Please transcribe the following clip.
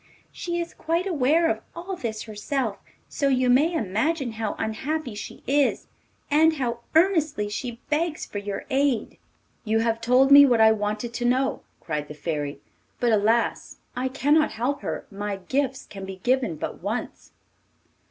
She is quite aware of all this herself, so you may imagine how unhappy she is, and how earnestly she begs for your aid.' 'You have told me what I wanted to know,' cried the Fairy, 'but alas! I cannot help her; my gifts can be given but once.